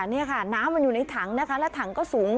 นี่ค่ะน้ำมันอยู่ในถังนะคะและถังก็สูง